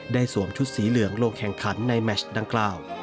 สวมชุดสีเหลืองลงแข่งขันในแมชดังกล่าว